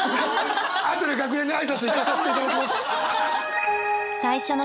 あとで楽屋に挨拶行かさしていただきます。